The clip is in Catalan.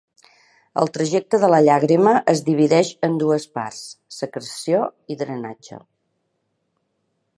El trajecte de la llàgrima es divideix en dues parts: secreció i drenatge.